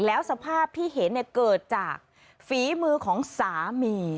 แล้วสภาพที่เห็นเกิดจากฝีมือของสามี